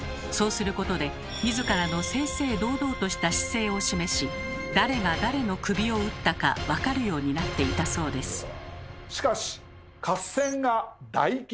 そうすることで自らの正々堂々とした姿勢を示し誰が誰の首を討ったかわかるようになっていたそうです。